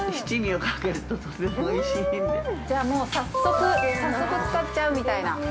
じゃあもう、早速使っちゃうみたいな。